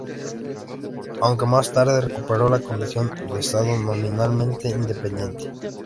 Aunque, más tarde, recuperó la condición de estado nominalmente independiente.